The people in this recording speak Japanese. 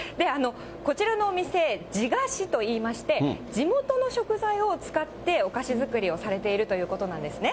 こちらのお店、地菓子といいまして、地元の食材を使って、お菓子作りをされているということなんですね。